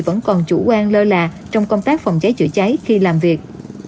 vẫn còn chủ quan lơ là trong công tác phòng cháy chữa cháy khi làm việc